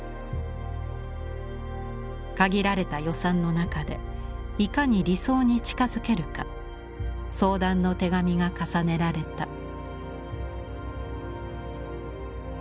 限られた予算の中でいかに理想に近づけるか相談の手紙が重ねられた。